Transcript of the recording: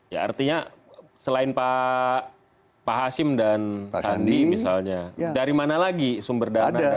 ya artinya selain pak hashim dan sandi misalnya dari mana lagi sumber dana dari